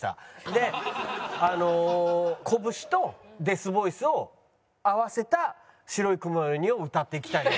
であのこぶしとデスボイスを合わせた『白い雲のように』を歌っていきたいなと。